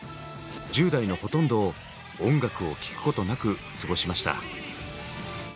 １０代のほとんどを音楽を聴くことなく過ごしました。